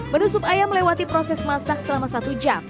menu sup ayam melewati proses masak selama satu jam